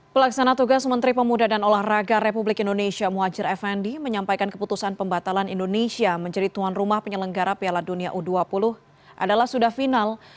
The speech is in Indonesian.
pelaksana tugas menteri pemuda dan olahraga republik indonesia muhajir effendi menyampaikan keputusan pembatalan indonesia menjadi tuan rumah penyelenggara piala dunia u dua puluh adalah sudah final